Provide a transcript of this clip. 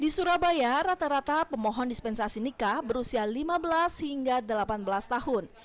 di surabaya rata rata pemohon dispensasi nikah berusia lima belas hingga delapan belas tahun